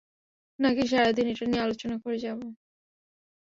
নাকি সারাদিন এটা নিয়ে আলোচনাই করে যাবো?